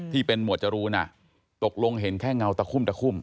หมวดจรูนตกลงเห็นแค่เงาตะคุ่มตะคุ่ม